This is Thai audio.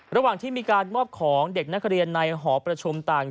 ระหว่างที่มีการมอบของเด็กนักเรียนในหอประชุมต่าง